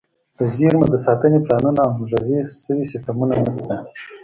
د زیرمو د ساتنې پلانونه او همغږي شوي سیستمونه نشته.